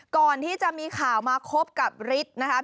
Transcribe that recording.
ก่อนที่จะมีข่าวมาคบกับฤทธิ์นะคะ